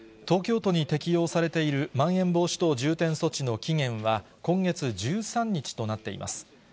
東京都に適用されているまん延防止等重点措置の期限は、今月１３日となっています。